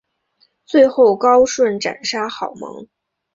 最后高顺斩杀郝萌。